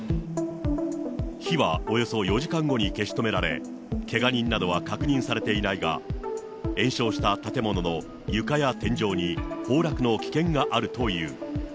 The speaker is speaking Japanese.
火はおよそ４時間後に消し止められ、けが人などは確認されていないが、延焼した建物の床や天井に崩落の危険があるという。